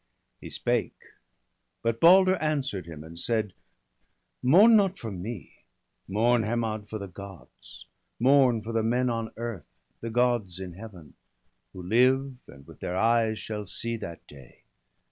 He spake ; but Balder answer'd him, and said :—' Mourn not for me ! Mourn, Hermod, for the Gods ; Mourn for the men on earth, the Gods in Heaven, Who live, and with their eyes shall see that day!